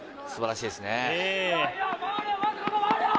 素晴らしいですね。